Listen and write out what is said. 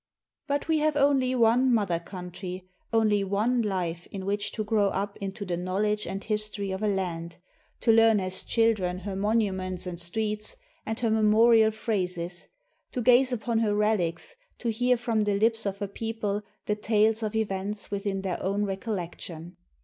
xxiii INTRODUCTION But we have only one mother country, only one life in which to grow up into the knowledge and history of a land, to learn as children her monuments and streets and her memorial phrases, to gaze upon her relics, to hear from the lips of her people the tales of events within their own recollection.